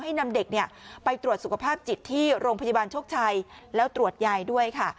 นำเด็กไปตรวจสุขภาพจิตที่โรงพยาบาลโชคชัยแล้วตรวจยายด้วยค่ะ